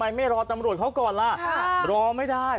เอ้ยทำไมไม่รอตำรวจเขาก่อนล่ะค่ะรอไม่ได้